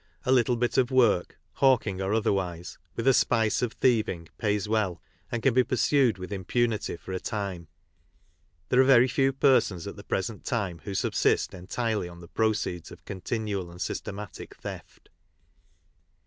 A little bit of work, hawking or otherwise, with a spice of thieving, pays well, and can be pursued with impunity for a time. There are very few persons at the present time who subsist entirely on the pro ceeds of continual and systematic theft.